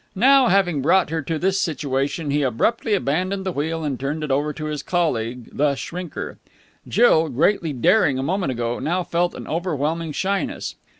Now, having brought her to this situation, he abruptly abandoned the wheel and turned it over to his colleague, the shrinker. Jill, greatly daring a moment ago, now felt an overwhelming shyness.